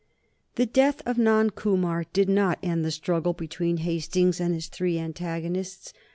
The death of Nand Kumar did not end the struggle between Hastings and his three antagonists.